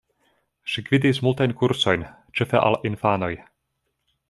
Ŝi gvidis multajn kursojn, ĉefe al infanoj.